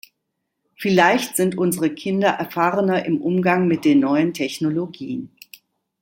Vielleicht sind unsere Kinder erfahrener im Umgang mit den neuen Technologien.